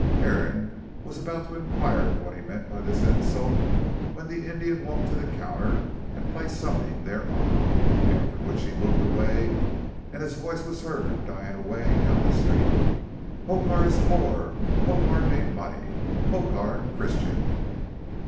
Aaron was about to inquire what he meant by this insult, when the Indian walked to the counter and placed something thereon, after which he moved away, and his voice was heard dying away down the street. "Hokar is poor Hokar need money. Hokar, Christian."